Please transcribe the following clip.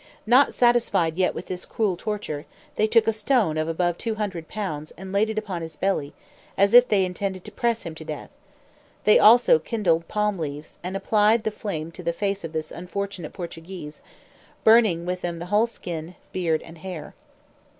Not satisfied yet with this cruel torture, they took a stone of above two hundred pounds, and laid it upon his belly, as if they intended to press him to death; they also kindled palm leaves, and applied the flame to the face of this unfortunate Portuguese, burning with them the whole skin, beard, and hair.